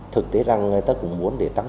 thực tế là người ta cũng muốn để tăng trở lại